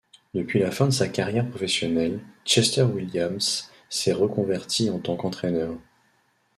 Depuis la fin de sa carrière professionnelle, Chester Williams s'est reconverti en tant qu'entraîneur.